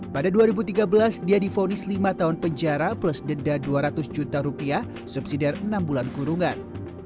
pada dua ribu tiga belas dia difonis lima tahun penjara plus denda dua ratus juta rupiah subsidi dari enam bulan kurungan